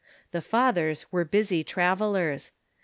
The Fathers were busy travellers.